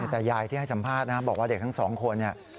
แต่ยายที่ให้สัมภาษณ์นะบอกว่าเด็กทั้งสองคนเนี่ย